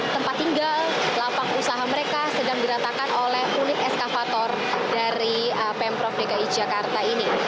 tempat tinggal lapak usaha mereka sedang diratakan oleh unit eskavator dari pemprov dki jakarta ini